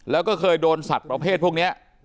แล้วก็เคยโดนสัตว์ประเภทพวกนี้